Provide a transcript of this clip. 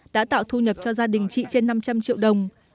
đã tạo thu nhập cho gia đình chị trên năm trăm linh triệu đồng